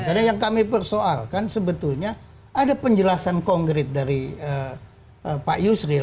karena yang kami persoalkan sebetulnya ada penjelasan kongrit dari pak yusril